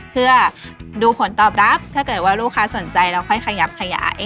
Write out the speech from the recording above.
เพื่อดูผลตอบรับถ้าเกิดว่าลูกค้าสนใจเราค่อยขยับขยาย